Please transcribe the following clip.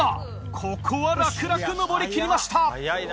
ここは楽々登りきりました。